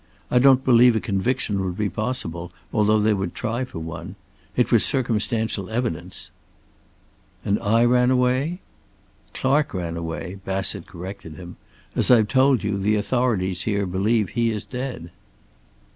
I don't believe a conviction would be possible, although they would try for one. It was circumstantial evidence." "And I ran away?" "Clark ran away," Bassett corrected him. "As I've told you, the authorities here believe he is dead."